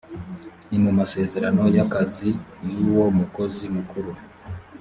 ni mu masezerano y akazi y uwo mukozi mukuru